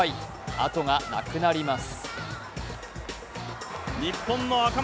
あとがなくなります。